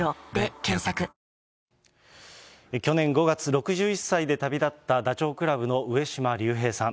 ６１歳で旅立ったダチョウ倶楽部の上島竜兵さん。